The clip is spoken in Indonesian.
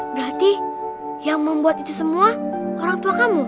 berarti yang membuat itu semua orang tua kamu